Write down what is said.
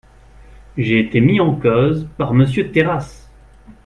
J’ai été mis en cause par Monsieur Terrasse.